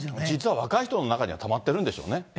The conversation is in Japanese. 実は若い人の中にはたまってるんでしょうね。